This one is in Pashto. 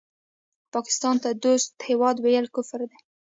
پاکستان ته دوست هېواد وویل کفر دی